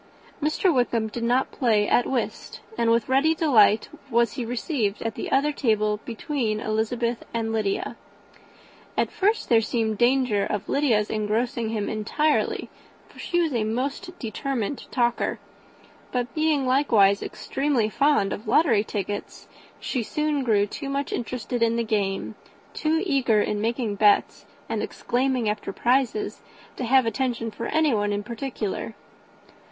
Mr. Wickham did not play at whist, and with ready delight was he received at the other table between Elizabeth and Lydia. At first there seemed danger of Lydia's engrossing him entirely, for she was a most determined talker; but being likewise extremely fond of lottery tickets, she soon grew too much interested in the game, too eager in making bets and exclaiming after prizes, to have attention for anyone in particular.